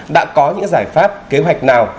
đã có những giải pháp kế hoạch nào